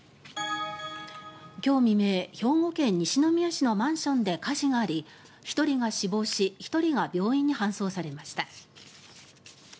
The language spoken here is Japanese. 今日未明、兵庫県西宮市のマンションで火事があり１人が死亡し１人が病院に搬送されました。